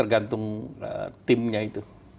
ya tergantung timnya itu